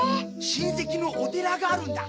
親戚のお寺があるんだ。